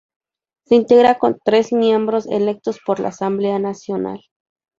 Se integra con tres miembros electos por la Asamblea Nacional.